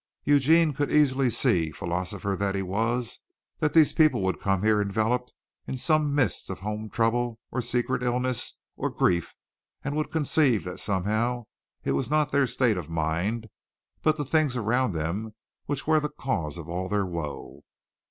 Eugene could easily see, philosopher that he was, that these people would come here enveloped in some mist of home trouble or secret illness or grief and would conceive that somehow it was not their state of mind but the things around them which were the cause of all their woe.